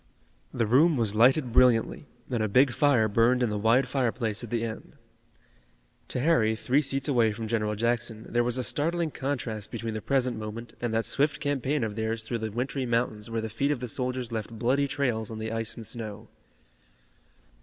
The room was lighted brilliantly, and a big fire burned in the wide fireplace at the end. To Harry, three seats away from General Jackson, there was a startling contrast between the present moment and that swift campaign of theirs through the wintry mountains where the feet of the soldiers left bloody trails on the ice and snow.